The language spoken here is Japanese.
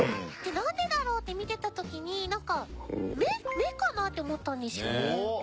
なんでだろう？って見てた時になんか目かなって思ったんですよ。